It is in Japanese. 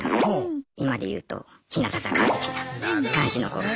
今で言うと日向坂みたいな感じの子が。